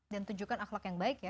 dan tunjukkan akhlak yang baik ya